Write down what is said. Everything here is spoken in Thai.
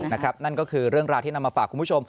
นั่นก็คือเรื่องราวที่นำมาฝากคุณผู้ชม